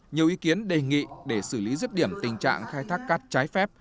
nhiều ý kiến đề nghị để xử lý dứt điểm tình trạng khai thác cắt trái phép